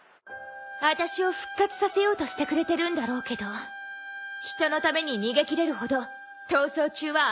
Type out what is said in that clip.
あたしを復活させようとしてくれてるんだろうけど人のために逃げきれるほど逃走中は甘くない。